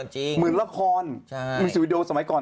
เหมือนละคร